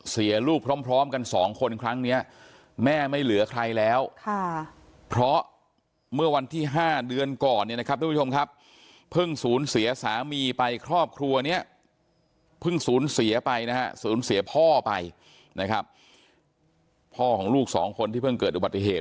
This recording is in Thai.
สูญเสียไปนะฮะสูญเสียพ่อไปนะครับพ่อของลูกสองคนที่เพิ่งเกิดอุบัติเหตุ